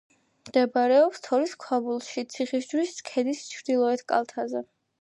მდებარეობს თორის ქვაბულში, ციხისჯვრის ქედის ჩრდილოეთ კალთაზე.